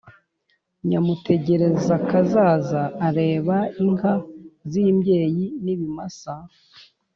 nyamutegerakazaza areba inka z'imbyeyi n'ibimasa